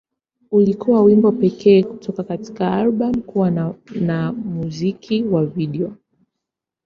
Ulikuwa wimbo pekee kutoka katika albamu kuwa na na muziki wa video.